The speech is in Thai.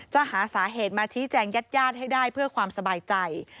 จะหาสาเหตุมาชี้แจงญาติญาติให้ได้เพื่อความสบายใจ